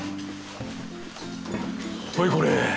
ほいこれ。